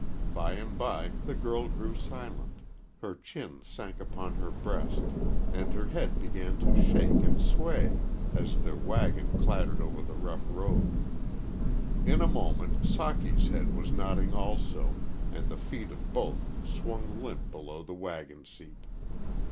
By and by the girl grew silent, her chin sank upon her breast, and her head began to shake and sway as their wagon clattered over the rough road. In a moment Socky's head was nodding also, and the feet of both swung limp below the wagon seat.